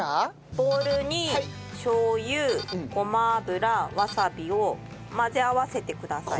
ボウルにしょう油ごま油わさびを混ぜ合わせてください。